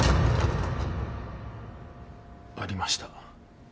ありました。